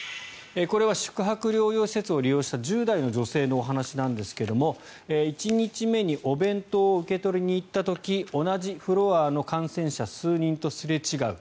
これは宿泊療養施設を利用した１０代の女性のお話なんですが１日目にお弁当を受け取りに行った時同じフロアの感染者数人とすれ違う。